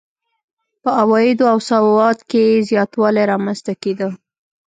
په عوایدو او سواد کې زیاتوالی رامنځته کېده.